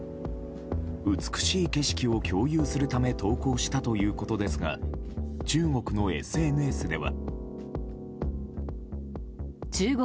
美しい景色を共有するため投稿したということですが中国のＳＮＳでは。